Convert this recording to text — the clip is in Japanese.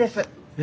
え！